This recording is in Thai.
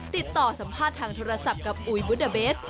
ติดต่อสัมภาษณ์ทางโทรศัพท์กับอุ๋ยบุเดอร์เบส